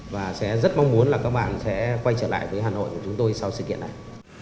và sẽ rất mong muốn là các bạn sẽ quay trở lại với hà nội của chúng tôi sau sự kiện này